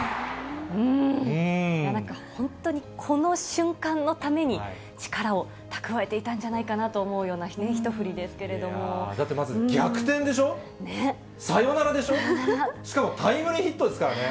うーん、本当にこの瞬間のために力を蓄えていたんじゃないかなと思うようだってまず逆転でしょ、サヨナラでしょ、しかもタイムリーヒットですからね。